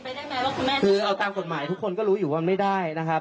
ได้ไหมว่าคุณแม่คือเอาตามกฎหมายทุกคนก็รู้อยู่ว่าไม่ได้นะครับ